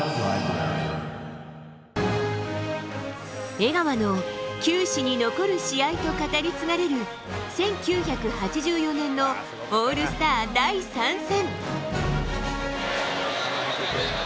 江川の球史に残る試合と語り継がれる１９８４年のオールスター第３戦。